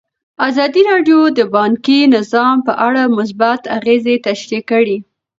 ازادي راډیو د بانکي نظام په اړه مثبت اغېزې تشریح کړي.